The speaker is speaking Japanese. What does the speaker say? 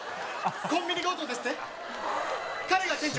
コンビニ強盗ですって？